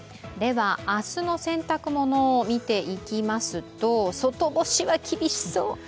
明日の洗濯物見ていきますと、外干しは厳しそう。